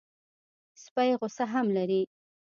سپي غصه هم لري.